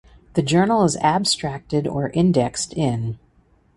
The journal is abstracted or indexed in